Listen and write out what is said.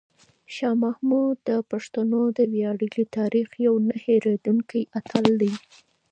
شاه محمود د پښتنو د ویاړلي تاریخ یو نه هېرېدونکی اتل دی.